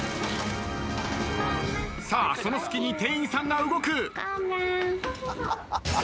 さあその隙に店員さんが動く。